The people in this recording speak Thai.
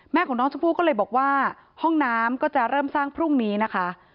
ของน้องชมพู่ก็เลยบอกว่าห้องน้ำก็จะเริ่มสร้างพรุ่งนี้นะคะ